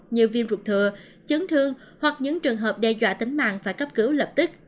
như viêm ruột thừa chấn thương hoặc những trường hợp đe dọa tính mạng phải cấp cứu lập tức